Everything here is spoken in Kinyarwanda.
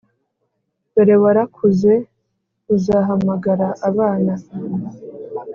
dore warakuze! uzahamagara abana